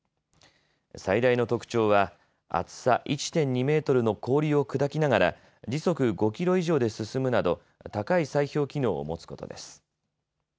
最大の特徴は厚さ１．２メートルの氷を砕きながら時速５キロ以上で進むなど高い砕氷機能を持つことです。